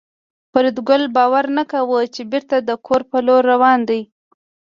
فریدګل باور نه کاوه چې بېرته د کور په لور روان دی